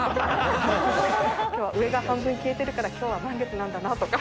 きょうは上が半分消えてるから、きょうは満月なんだなとか。